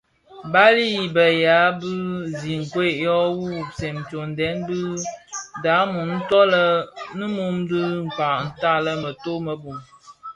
Bali i be yea bi zinkwed yo wuwubsèn tsomyè dhamum nto lè nimum dhi kpag tan a mëto më bum.